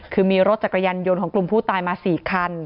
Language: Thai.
คือมีรถจักรยานยนต์ของกลุ่มผู้ตายมา๔คัน